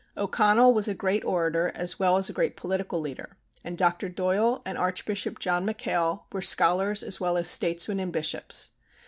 O'Connell was a great orator as well as a great political leader, and Dr. Doyle and Archbishop John MacHale were scholars as well as statesmen and bishops.